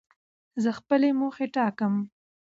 زه خپلي موخي ټاکم.